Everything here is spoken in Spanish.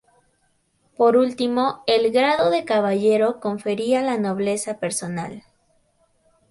Por último, el grado de caballero confería la nobleza personal.